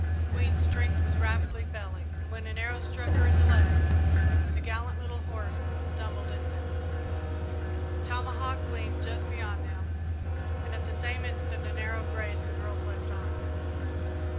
Queen's strength was rapidly failing, and when an arrow struck her in the leg, the gallant little horse stumbled and fell. A tomahawk gleamed just beyond them and at the same instant an arrow grazed the girl's left arm.